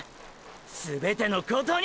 全てのことに！！